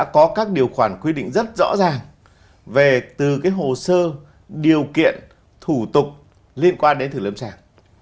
có các điều khoản quy định rất rõ ràng về từ hồ sơ điều kiện thủ tục liên quan đến thử lâm sản